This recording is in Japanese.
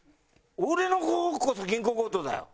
俺の方こそ銀行強盗だよ。